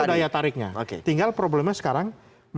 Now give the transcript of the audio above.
ada daya tariknya tinggal problemnya sekarang